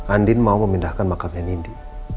andin mau memindahkan mangkapnya nindi